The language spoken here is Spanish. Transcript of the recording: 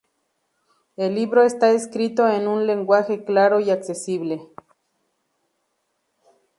El libro está escrito en un lenguaje claro y accesible.